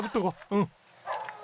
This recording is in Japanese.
うん。